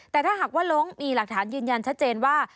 แต่ถ้าหากว่าลงมีหลักฐานยืนยันชัดเจนว่า